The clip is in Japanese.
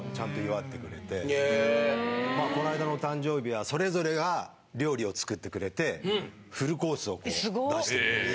この間のお誕生日はそれぞれが料理を作ってくれて。を出してくれて。